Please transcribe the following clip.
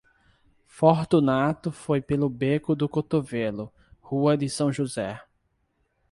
Fortunato foi pelo beco do Cotovelo, rua de S. José.